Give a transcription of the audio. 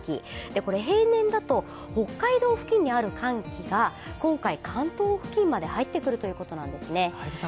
これ、平年だと北海道付近にある寒気が今回、関東付近まで入ってくるということなんですね。